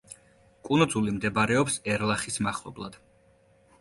კუნძული მდებარეობს ერლახის მახლობლად.